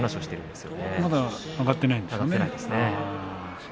まだ上がっていないんですね。